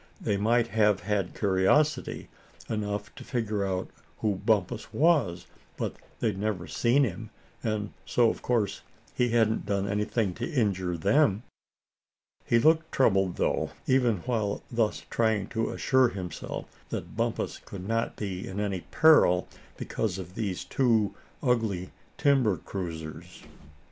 "They might have had curiosity enough to figure out who Bumpus was; but they'd never seen him, and so of course he hadn't done anything to injure them." He looked troubled, though, even while thus trying to assure himself that Bumpus could not be in any peril because of these two ugly timber cruisers.